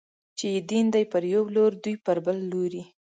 چې يې دين دی، پر يو لور دوی پر بل لوري